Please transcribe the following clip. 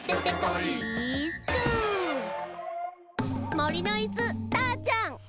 もりのいすターちゃん。